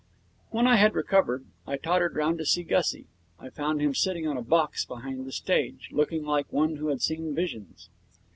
When I had recovered I tottered round to see Gussie. I found him sitting on a box behind the stage, looking like one who had seen visions.